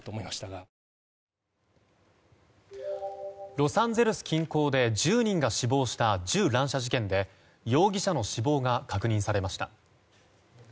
ロサンゼルス近郊で１０人が死亡した銃乱射事件で容疑者の死亡が確認されました。